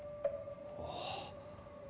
ああ。